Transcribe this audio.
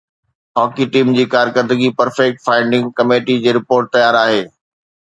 hockey team جي ڪارڪردگي perfect finding committee جي رپورٽ تيار آهي